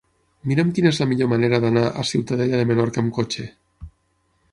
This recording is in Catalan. Mira'm quina és la millor manera d'anar a Ciutadella de Menorca amb cotxe.